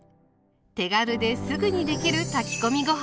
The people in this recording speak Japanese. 手軽ですぐにできる炊き込みご飯